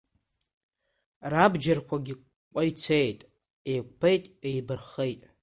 Рабџьарқәагь кәеи-цеит, еиқәԥеит, еибырххеит…